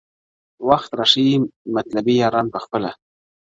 o وخت را ښیي مطلبي یاران پخپله,